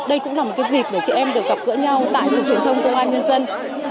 đây cũng là một cái dịp để chị em được gặp gỡ nhau tại cục truyền thông công an nhân dân